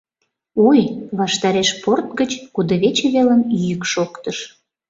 — Ой!.. — ваштареш порт гыч, кудывече велым, йӱк шоктыш.